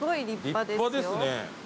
立派ですね。